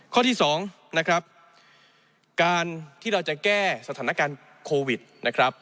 ข้อที่สองนะครับการที่เราจะแก้สถานการณ์โควิดนะครับ